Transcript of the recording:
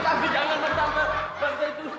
tante tante jangan tante tante itu